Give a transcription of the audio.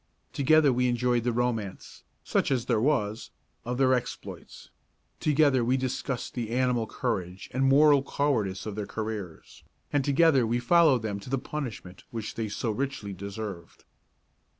Together we enjoyed the romance, such as there was, of their exploits; together we discussed the animal courage and moral cowardice of their careers; and together we followed them to the punishment which they so richly deserved.